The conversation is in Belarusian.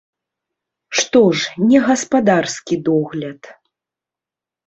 Што ж, не гаспадарскі догляд.